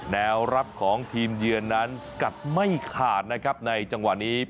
แนวรับของทีมเยือนนั้นสกัดไม่ขาดนะครับในจังหวะนี้